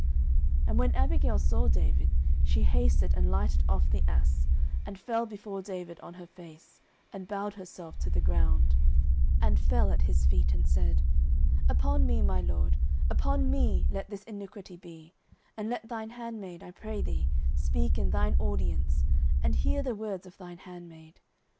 09:025:023 And when Abigail saw David, she hasted, and lighted off the ass, and fell before David on her face, and bowed herself to the ground, 09:025:024 And fell at his feet, and said, Upon me, my lord, upon me let this iniquity be: and let thine handmaid, I pray thee, speak in thine audience, and hear the words of thine handmaid.